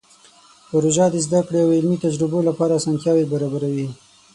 پروژه د زده کړې او علمي تجربو لپاره اسانتیاوې برابروي.